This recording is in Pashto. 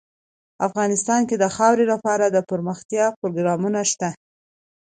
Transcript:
افغانستان کې د خاوره لپاره دپرمختیا پروګرامونه شته.